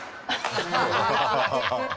ハハハハ！